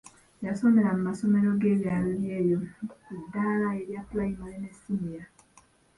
Yasomera mu masomero g'ebyalo byeyo ku ddaala erya Pulayimale ne Siniya.